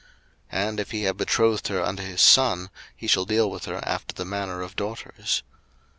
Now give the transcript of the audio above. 02:021:009 And if he have betrothed her unto his son, he shall deal with her after the manner of daughters.